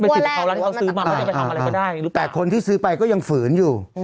แต่คนที่ซื้อไปก็ยังฝืนอยู่